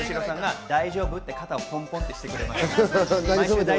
大丈夫？って肩をポンポンとしてくれました。